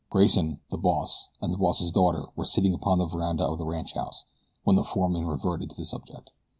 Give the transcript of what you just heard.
Grayson, the boss, and the boss's daughter were sitting upon the veranda of the ranchhouse when the foreman reverted to the subject.